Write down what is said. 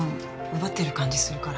奪ってる感じするから。